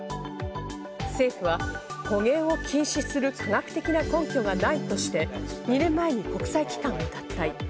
政府は捕鯨を禁止する科学的な根拠がないとして２年前に国際機関を脱退。